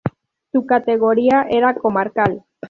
Su categoría era comarcal.